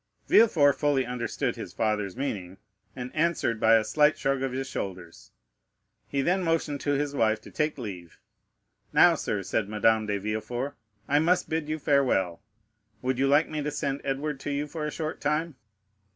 Villefort fully understood his father's meaning, and answered by a slight shrug of his shoulders. He then motioned to his wife to take leave. "Now sir," said Madame de Villefort, "I must bid you farewell. Would you like me to send Edward to you for a short time?"